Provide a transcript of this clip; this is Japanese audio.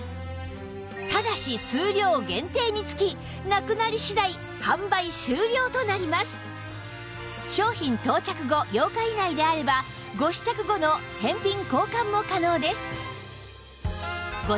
ただし商品到着後８日以内であればご試着後の返品交換も可能です